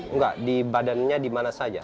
enggak di badannya di mana saja